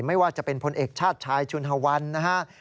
ไม่ว่าจะเป็นพลเอกชาติชายชุนฮวันนะฮะ